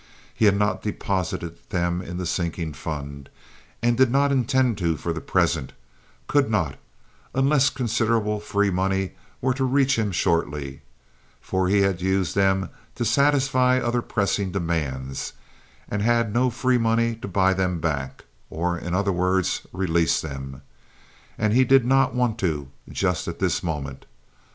He had not deposited them in the sinking fund, and did not intend to for the present—could not, unless considerable free money were to reach him shortly—for he had used them to satisfy other pressing demands, and had no free money to buy them back—or, in other words, release them. And he did not want to just at this moment.